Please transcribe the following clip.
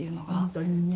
本当にね。